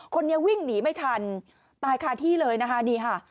คนนี้วิ่งหนีไม่ทันตายคาที่เลยนะคะนี่ค่ะ